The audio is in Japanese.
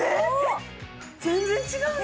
全然違うね！